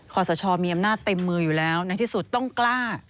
ขอสชมีอำนาจเต็มมืออยู่แล้วในที่สุดต้องกล้า